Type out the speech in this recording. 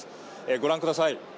ご覧ください。